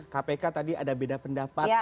kpk tadi ada beda pendapat